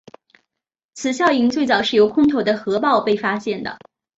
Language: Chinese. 此效应最早是由空投的核爆被发现的。